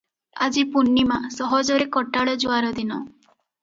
ଆଜି ପୂର୍ଣ୍ଣିମା - ସହଜରେ କଟାଳ ଜୁଆର ଦିନ ।